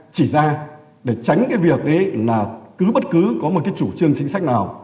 chỉ ra để tránh việc cứ bất cứ có một chủ trương chính sách nào